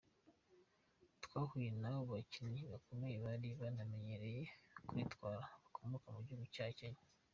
Twahuye n’ abakinnyi bakomeye bari banamenyereye kuritwara bakomoka mu gihugu cya Kenya.